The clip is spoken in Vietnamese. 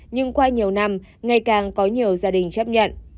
nhưng qua nhiều năm ngày càng có nhiều gia đình chấp nhận